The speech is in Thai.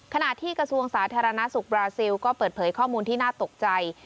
ขณะที่กระทรวงสาธารณสุขบราซิลก็เปิดเผยข้อมูลที่น่าตกใจ